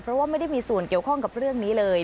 เพราะว่าไม่ได้มีส่วนเกี่ยวข้องกับเรื่องนี้เลย